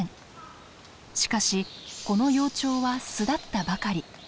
しかしこの幼鳥は巣立ったばかり。